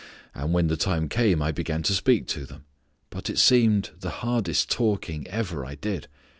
And when the time came I began to speak to them. But it seemed the hardest talking ever I did.